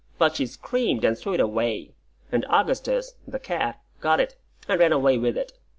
But she screamed, and threw it away; and Augustus (the cat) got it, and ran away with it.